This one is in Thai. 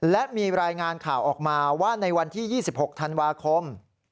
และมีรายงานข่าวออกมาว่าในวันที่๒๖ธันวาคม